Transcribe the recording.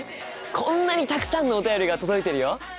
こんなにたくさんのお便りが届いてるよ！